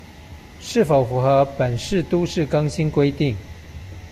是否符合本市都市更新規定